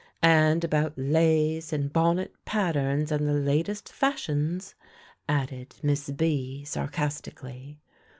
"And about lace, and bonnet patterns, and the last fashions," added Miss B., sarcastically.